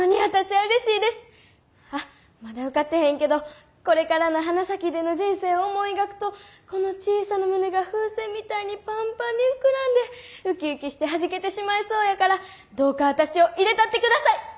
あっまだ受かってへんけどこれからの花咲での人生を思い描くとこの小さな胸が風船みたいにパンパンに膨らんでウキウキしてはじけてしまいそうやからどうか私を入れたってください。